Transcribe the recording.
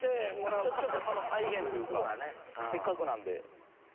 ちょっとその再現というかせっかくなんで。